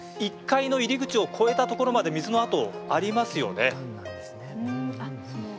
１階の入り口を越えたところまで水の跡、ありますよね。